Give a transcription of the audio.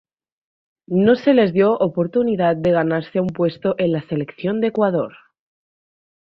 No se le dio oportunidad de ganarse un puesto en la selección de Ecuador.